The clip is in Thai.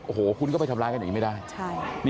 โอ้โหคุณก็ไปทำร้ายกันอย่างนี้ไม่ได้